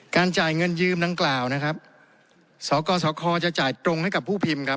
จ่ายเงินยืมดังกล่าวนะครับสกสคจะจ่ายตรงให้กับผู้พิมพ์ครับ